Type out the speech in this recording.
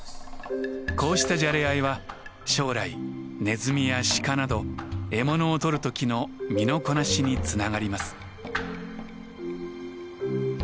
こうしたじゃれ合いは将来ネズミやシカなど獲物を捕るときの身のこなしにつながります。